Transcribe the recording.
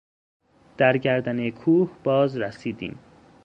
در گردنهٔ کوه باز رسیدیم.